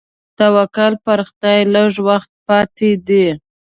توکل په خدای لږ وخت پاتې دی.